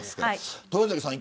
豊崎さん